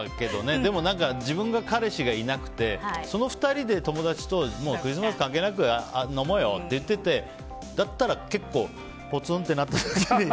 でも自分が彼氏がいなくてその２人で友達とクリスマス関係なく飲もうよって言っていてだったら結構ポツンってなって。